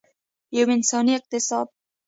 یو انساني اقتصاد.